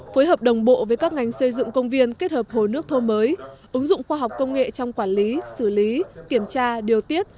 phối hợp đồng bộ với các ngành xây dựng công viên kết hợp hồ nước thô mới ứng dụng khoa học công nghệ trong quản lý xử lý kiểm tra điều tiết